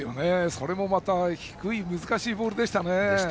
それもまた低い、難しいボールでしたね。